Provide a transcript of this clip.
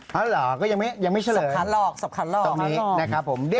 อ๋อเหรอก็ยังไม่เฉลยตรวจเลือกตรวจเลือกตรวจเลือกตรวจเลือกตรวจเลือกตรวจเลือก